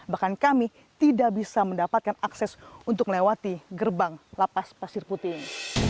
bahkan kami tidak bisa mendapatkan akses untuk melewati gerbang lapas pasir putih ini